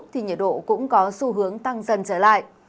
thì nhiệt độ cũng có xu hướng tăng dần trở lại